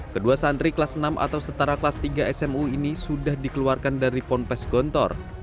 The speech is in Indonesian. kedua santri kelas enam atau setara kelas tiga smu ini sudah dikeluarkan dari ponpes gontor